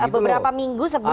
beberapa minggu sebelum